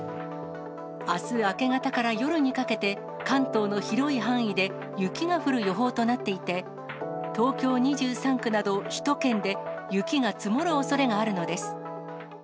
あす明け方から夜にかけて、関東の広い範囲で雪が降る予報となっていて、東京２３区など、首都圏で雪が積もるおそれがあるのです。